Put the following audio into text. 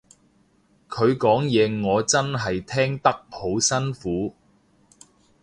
佢講嘢我真係聽得好辛苦